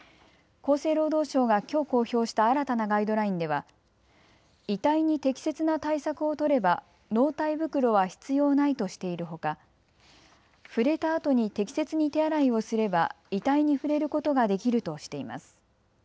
厚生労働省がきょう公表した新たなガイドラインでは遺体に適切な対策を取れば納体袋は必要ないとしているほか触れたあとに適切に手洗いをすれば遺体に触れることができるとしています。